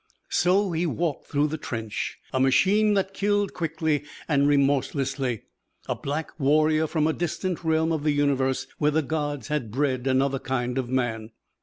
So he walked through the trench, a machine that killed quickly and remorselessly a black warrior from a distant realm of the universe where the gods had bred another kind of man.